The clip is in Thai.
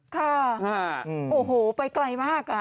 ค่ะโอ้โหไปไกลมาก